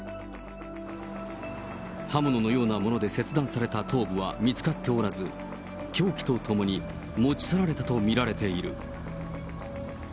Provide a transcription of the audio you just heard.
刃物のようなもので切断された頭部は見つかっておらず、凶器とともに持ち去られたと見られている。